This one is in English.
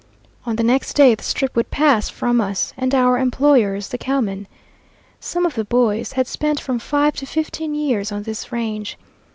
On the next day the Strip would pass from us and our employers, the cowmen. Some of the boys had spent from five to fifteen years on this range.